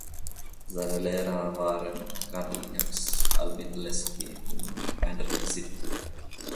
Seine Lehrer waren Karl Jax, Albin Lesky und Heinrich Sitte.